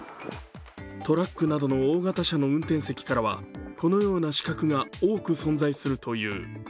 トラックなどの大型車の運転席からはこのような死角が多く存在するという。